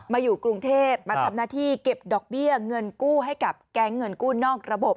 อยู่กรุงเทพมาทำหน้าที่เก็บดอกเบี้ยเงินกู้ให้กับแก๊งเงินกู้นอกระบบ